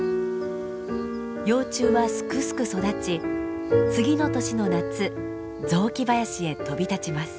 幼虫はすくすく育ち次の年の夏雑木林へ飛び立ちます。